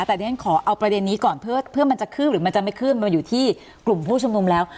แต่ดิฉันขอเอาประเด็นนี้ก่อนเพื่อมันจะขึ้นหรือมันจะไม่ขึ้นมันอยู่ที่กลุ่มผู้ชุมนุมแล้ว